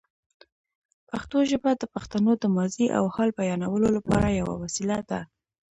پښتو ژبه د پښتنو د ماضي او حال بیانولو لپاره یوه وسیله ده.